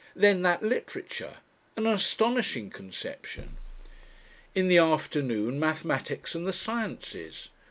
Then that "literature" an astonishing conception! In the afternoon mathematics and the sciences.